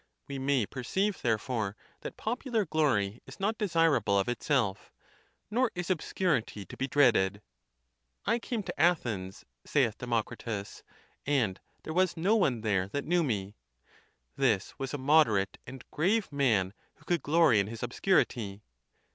We may perceive, therefore, that pop ular glory is not desirable of itself; nor is obscurity to be dreaded. "I came to Athens," saith Democritus, " and there was no one there that knew me:" this was a mod erate and grave man who could glory in his obscurity.